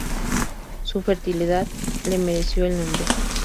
Su fertilidad le mereció el nombre.